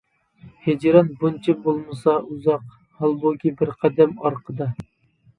ھىجران بۇنچە بولمىسا ئۇزاق، ھالبۇكى بىر قەدەم ئارقىدا.